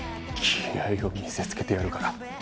気合を見せつけてやるから。